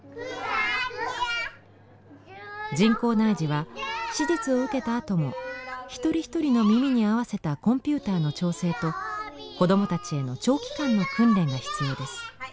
人工内耳は手術を受けたあとも一人一人の耳に合わせたコンピューターの調整と子供たちへの長期間の訓練が必要です。